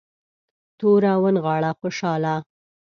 توره ونغاړه خوشحاله.